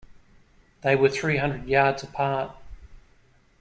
They were three hundred yards apart.